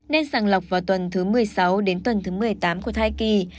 nên sàng lọc vào tuần thứ một mươi sáu đến tuần thứ một mươi tám của thai kỳ